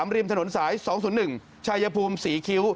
ริมถนนสาย๒๐๑ชายภูมิศรีคิ้ว